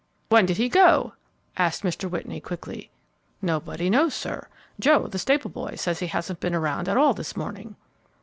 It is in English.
"When did he go?" asked Mr. Whitney, quickly. "Nobody knows, sir. Joe, the stable boy, says he hasn't been around at all this morning."